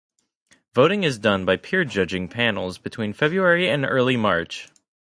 Voting is done by peer judging panels between February and early March.